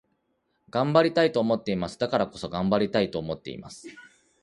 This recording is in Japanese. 頑張りたいと思っています。だからこそ、頑張りたいと思っています。